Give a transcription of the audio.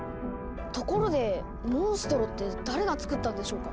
ところでモンストロって誰が作ったんでしょうか？